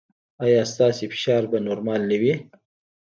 ایا ستاسو فشار به نورمال نه وي؟